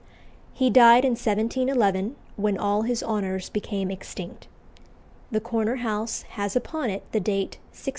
He died in 1711, when all his honours became extinct. The corner house has upon it the date 1693.